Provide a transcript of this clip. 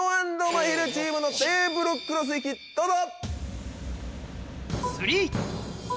まひるチームのテーブルクロス引きどうぞ！